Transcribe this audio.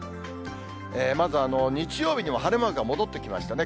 まずは、日曜日には晴れマークが戻ってきましたね。